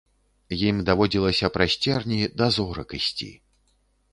Ім даводзілася праз церні да зорак ісці.